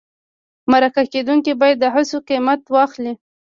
مرکه کېدونکی باید د هڅو قیمت واخلي.